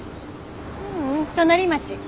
ううん隣町。